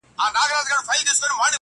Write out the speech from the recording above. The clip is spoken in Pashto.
• دنیا ډېره بې وفا ده نه پا یږي..